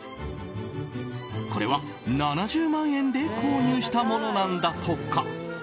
これは７０万円で購入したものなんだとか。